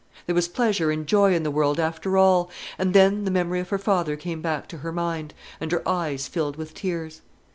There was pleasure and joy in the world, after all; and then the memory of her father came back to her mind, and her eyes filled with tears.